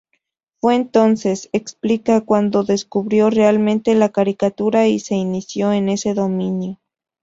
Fue entonces, explica, cuando descubrió realmente la caricatura y se inició en ese dominio.